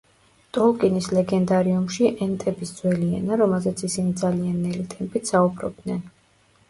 ტოლკინის ლეგენდარიუმში ენტების ძველი ენა, რომელზეც ისინი ძალიან ნელი ტემპით საუბრობდნენ.